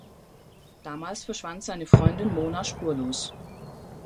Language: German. Damals verschwand seine Freundin Mona spurlos.